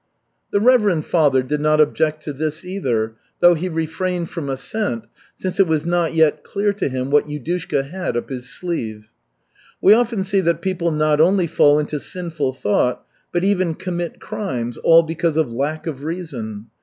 The reverend father did not object to this either, though he refrained from assent, since it was not yet clear to him what Yudushka had up his sleeve. "We often see that people not only fall into sinful thought, but even commit crimes, all because of lack of reason.